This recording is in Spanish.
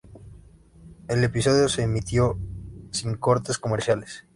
El episodio se emitió sin cortes comerciales.